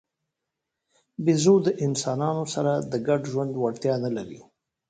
بیزو د انسانانو سره د ګډ ژوند وړتیا نه لري.